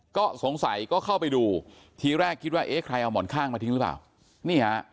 ก็สงสัยก็เข้าไปดูทีแรกคิดว่าเอ๊ะใครเอาหมอนข้างมาทิ้งหรือเปล่านี่ฮะ